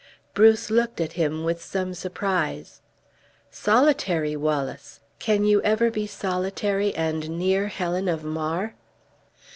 Bruce looked at him with some surprise. "Solitary, Wallace! can you ever be solitary, and near Helen of Mar?"